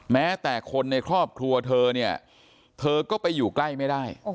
แม้แต่คนในครอบครัวเธอเนี่ยเธอก็ไปอยู่ใกล้ไม่ได้